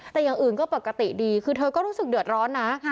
แต่อย่างอื่นก็ปกติดีคือเธอก็รู้สึกเดือดร้อนนะ